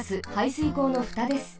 すいこうのふたです。